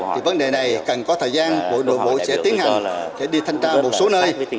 thì vấn đề này cần có thời gian bộ đội bộ sẽ tiến hành để đi thanh tra một số nơi